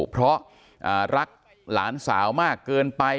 เพราะรักหลานสาวมากเกินไป